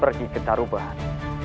pergi ke caruban